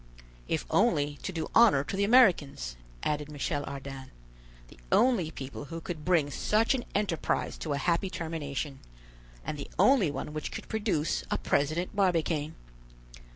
"If only to do honor to the Americans," added Michel Ardan, "the only people who could bring such an enterprise to a happy termination, and the only one which could produce a President Barbicane.